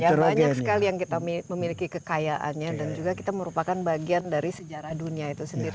ya banyak sekali yang kita memiliki kekayaannya dan juga kita merupakan bagian dari sejarah dunia itu sendiri